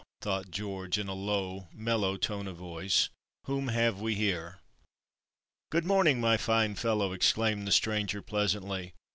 thought George, in a low, mellow tone of voice, "whom have we here?" "Good morning, my fine fellow," exclaimed the stranger, pleasantly.